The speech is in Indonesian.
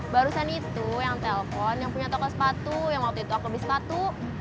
barusan itu yang telpon yang punya toko sepatu yang waktu itu aku beli sepatu